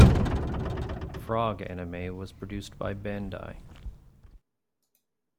Frog anime was produced by Bandai.